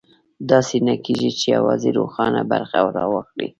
داسې نه کېږي چې یوازې روښانه برخه راواخلي.